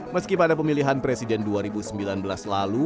meski pada pemilihan presiden dua ribu sembilan belas lalu